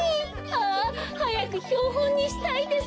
ああはやくひょうほんにしたいです。